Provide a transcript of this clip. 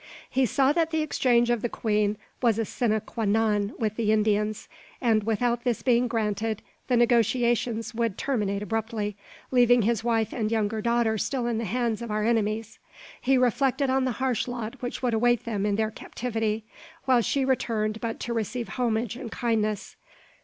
He saw that the exchange of the queen was a sine qua non with the Indians; and without this being granted, the negotiations would terminate abruptly, leaving his wife and younger daughter still in the hands of our enemies. He reflected on the harsh lot which would await them in their captivity, while she returned but to receive homage and kindness.